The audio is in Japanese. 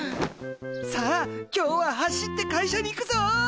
さあ今日は走って会社に行くぞ！